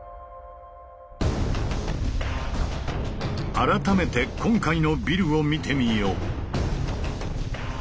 改めて今回のビルを見てみよう。